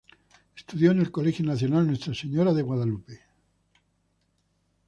Estudió en el Colegio Nacional Nuestra Señora de Guadalupe.